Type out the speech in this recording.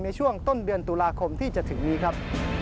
ในช่วงต้นเดือนตุลาคมที่จะถึงนี้ครับ